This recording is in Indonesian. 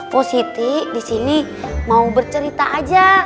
positif di sini mau bercerita aja